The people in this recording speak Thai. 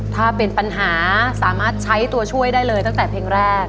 ถ้าเป็นปัญหาสามารถใช้ตัวช่วยได้เลยตั้งแต่เพลงแรก